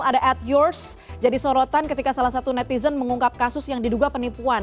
ada ad yours jadi sorotan ketika salah satu netizen mengungkap kasus yang diduga penipuan